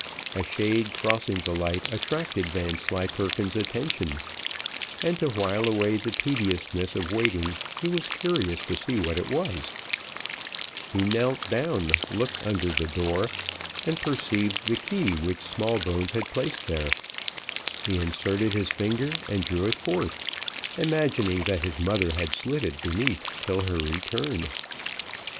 A shade crossing the light attracted Vanslyperken's attention, and to while away the tediousness of waiting he was curious to see what it was; he knelt down, looked under the door, and perceived the key which Smallbones had placed there; he inserted his finger and drew it forth, imagining that his mother had slid it beneath till her return.